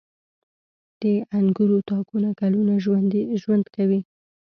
• د انګورو تاکونه کلونه ژوند کوي.